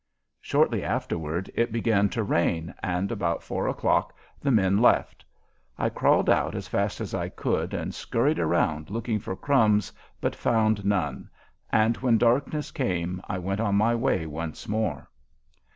Shortly afterward it began to rain, and about four o'clock the men left. I crawled out as fast as I could, and scurried around looking for crumbs, but found none, and when darkness came I went on my way once more.